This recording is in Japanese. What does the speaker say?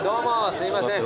すいません。